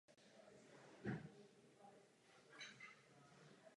Metropolí bylo město Schleswig.